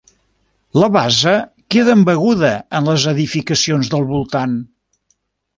La base queda embeguda en les edificacions del voltant.